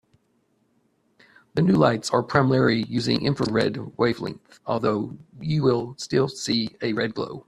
The new lights are primarily using infrared wavelength, although you will still see a red glow.